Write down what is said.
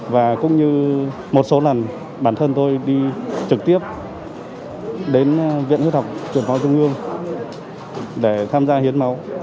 và cũng như một số lần bản thân tôi đi trực tiếp đến viện huyết học truyền máu trung ương để tham gia hiến máu